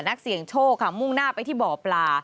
นักเสี่ยงโชคค่ะมุ่งหน้าไปที่บ่อปลา